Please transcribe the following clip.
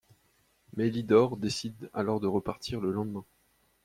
Mélidor décide alors de repartir le lendemain.